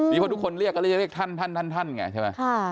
ดีพอทุกคนเรียกก็เรียกท่านใช่ไหมค่ะ